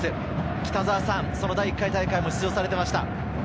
北澤さん、第１回大会に出場されていました。